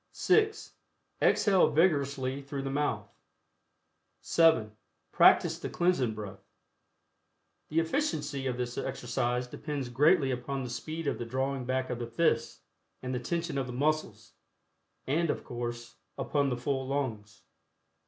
(6) Exhale vigorously through the mouth. (7) Practice the Cleansing Breath. The efficiency of this exercise depends greatly upon the speed of the drawing back of the fists, and the tension of the muscles, and, of course, upon the full lungs.